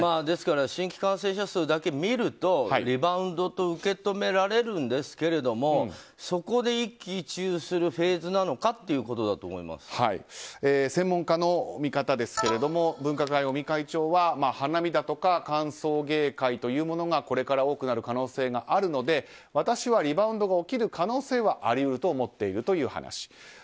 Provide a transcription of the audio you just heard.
ですから新規感染者数だけ見るとリバウンドと受け止められるんですけれどもそこで一喜一憂するフェーズなのか専門家の見方ですが分科会、尾身会長は花見だとか歓送迎会というものがこれから多くなる可能性があるので私はリバウンドが起きる可能性はあり得ると思っているという話。